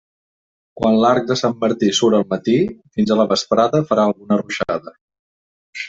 Quan l'arc de Sant Martí surt al matí, fins a la vesprada farà alguna ruixada.